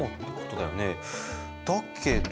だけど。